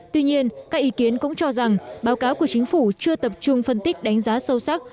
tuy nhiên các ý kiến cũng cho rằng báo cáo của chính phủ chưa tập trung phân tích đánh giá sâu sắc